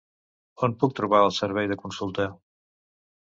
On puc trobar el servei de consulta?